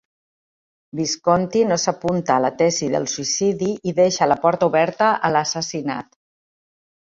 Visconti no s'apunta a la tesi del suïcidi i deixa la porta oberta a l'assassinat.